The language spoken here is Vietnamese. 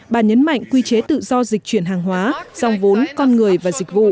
bà nhấn mạnh quy chế tự do dịch chuyển hàng hóa dòng vốn con người và dịch vụ